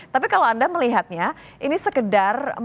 tapi kalau anda melihatnya ini sekedar